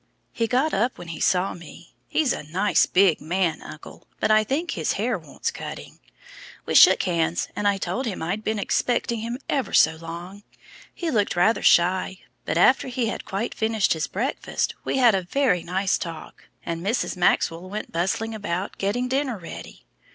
He got up when he saw me he's a nice big man, uncle, but I think his hair wants cutting. We shook hands, and I told him I'd been expecting him ever so long. He looked rather shy, but after he had quite finished his breakfast, we had a very nice talk, and Mrs. Maxwell went bustling about getting dinner ready.